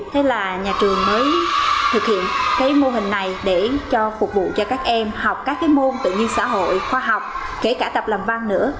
thế là nhà trường mới thực hiện cái mô hình này để phục vụ cho các em học các cái môn tự nhiên xã hội khoa học kể cả tập làm văn nữa